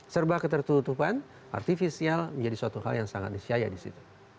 serba ketertutupan artifisial menjadi suatu hal yang sangat disyaya di situ